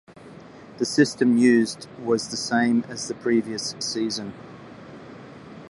The system used was the same as the previous season.